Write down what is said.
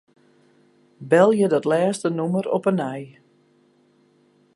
Belje dat lêste nûmer op 'e nij.